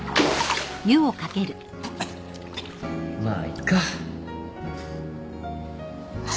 まあいっか。